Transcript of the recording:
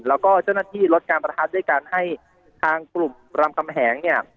แล้วก็เจ้าหน้าที่ลดการประทัดด้วยการให้ทางกลุ่มรำคำแหงเนี่ย